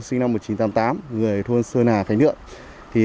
sinh năm một nghìn chín trăm tám mươi tám người thôn sơn hà khánh thượng